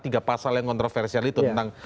tiga pasal yang kontroversial itu tentang